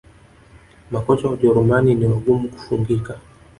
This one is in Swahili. Makocha wa Ujerumani ni wagumu kufungika